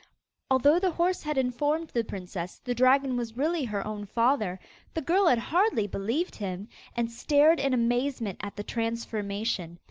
Although the horse had informed the princess the dragon was really her own father, the girl had hardly believed him, and stared in amazement at the transformation.